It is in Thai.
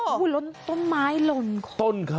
โอ้โหต้นไม้หล่น